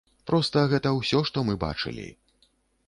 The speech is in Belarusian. Проста гэта ўсё, што мы бачылі.